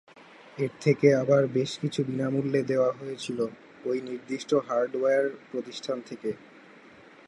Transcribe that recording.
এর থেকে আবার বেশকিছু বিনামূল্যে দেয়া হয়েছিল ঐ নির্দিষ্ট হার্ডওয়্যার প্রতিষ্ঠান থেকে।